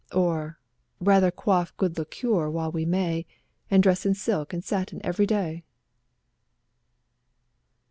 Oh, rather quaff good liquor while we may. And dress in silk and satin every day!